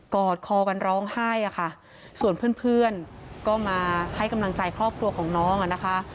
อดคอกันร้องไห้อะค่ะส่วนเพื่อนเพื่อนก็มาให้กำลังใจครอบครัวของน้องอ่ะนะคะ